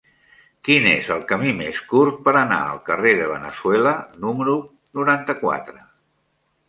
Quin és el camí més curt per anar al carrer de Veneçuela número noranta-quatre?